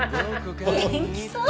元気そう！